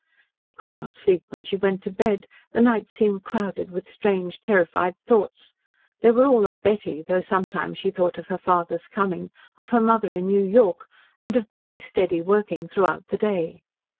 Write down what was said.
She could not sleep when she went to bed. The night seemed crowded with strange, terrified thoughts. They were all of Betty, though sometimes she thought of her father's coming, of her mother in New York, and of Betty's steady working throughout the day.